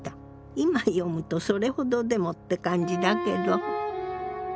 今読むとそれほどでもって感じだけど。